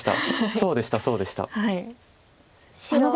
そうでしたそうでした。